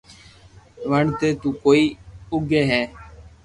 وڻ تي تو ڪوئي اوگي ھي